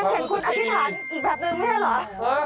ยังเพลงคุณอธิษฐานอีกแบบนึงไม่ได้หรือ